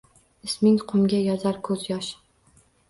Isming qumga yozar koʼz yosh.